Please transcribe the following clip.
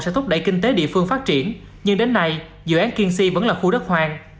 sẽ thúc đẩy kinh tế địa phương phát triển nhưng đến nay dự án kiên si vẫn là khu đất hoang